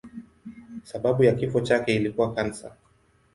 Sababu ya kifo chake ilikuwa kansa.